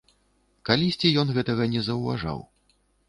Калісьці ён гэтага не заўважаў.